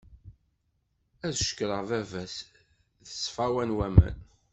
Ad cekkreɣ baba-s, ṣfawa n waman.